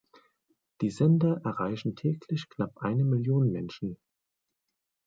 Die Sender erreichen täglich knapp eine Million Menschen.